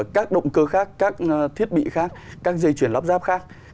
các động cơ khác các thiết bị khác các dây chuyển lắp ráp khác